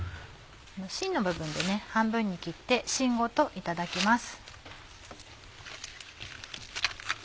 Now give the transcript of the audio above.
しんの部分で半分に切ってしんごといただきます。